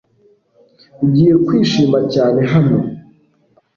Ugiye kwishima cyane hano .